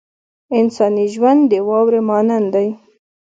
انساني ژوند د واورې مانند دی.